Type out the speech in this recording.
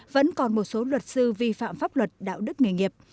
vẫn còn một số luật sư vi phạm pháp luật đạo đức nghề nghiệp